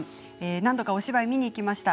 何度かお芝居を見に行きました。